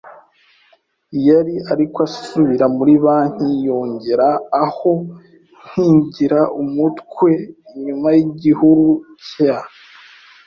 yari, ariko asubira muri banki yongera, aho, nkingira umutwe inyuma yigihuru cya